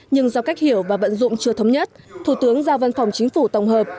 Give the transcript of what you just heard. nhưng do cách hiểu và vận dụng chưa thống nhất thủ tướng giao văn phòng chính phủ tổng hợp